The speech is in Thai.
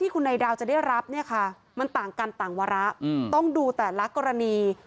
คำถาม